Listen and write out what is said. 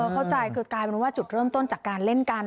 เข้าใจคือกลายเป็นว่าจุดเริ่มต้นจากการเล่นกัน